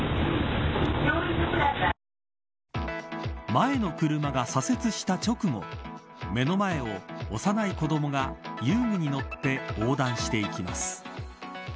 前の車が左折した直後目の前を幼い子どもが遊具に乗って横断していきます。